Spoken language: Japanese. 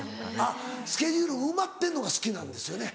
スケジュール埋まってんのが好きなんですよね。